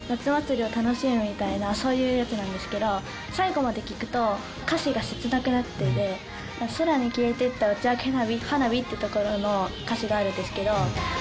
最初聴くときは、なんか、夏祭りを楽しむみたいな、そういうやつなんですけど、最後まで聴くと、歌詞が切なくなってて、空に消えてった打ち上げ花火っていうところの歌詞があるんですけど。